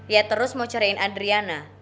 ya terus mau cariin adriana